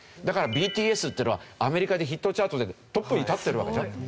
だからＢＴＳっていうのはアメリカでヒットチャートでトップに立ってるわけでしょ。